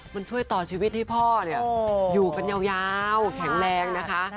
มันช่วยต่อชีวิตให้พ่อเนี่ยอยู่กันยาวแข็งแรงนะคะ